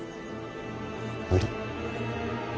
無理。